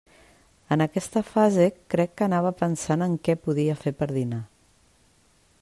En aquesta fase crec que anava pensant què podia fer per dinar.